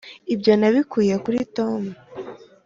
ibyo nabikuye kuri tom.